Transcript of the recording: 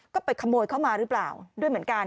ก็ไปขโมยเข้ามาหรือเปล่าด้วยเหมือนกัน